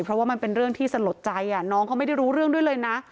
เพราะว่ามันเป็นเรื่องที่สลดใจน้องเขาไม่ได้รู้เรื่องด้วยเลยนะ